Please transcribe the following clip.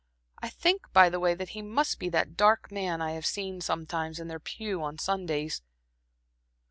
I think by the way, that he must be that dark man I have seen sometimes in their pew on Sundays.